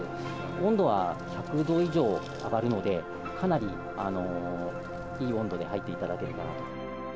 温度は１００度以上上がるので、かなりいい温度で入っていただけるかなと。